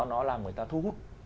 nó làm người ta thú hút